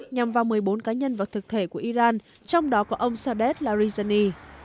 nhằm vào một mươi bốn cá nhân và thực thể của iran trong đó có ông sadek larijani